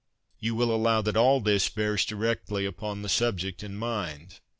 ' You will allow that all this bears directly upon the subject in mind.